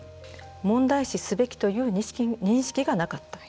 問題視すべきという認識がなかった。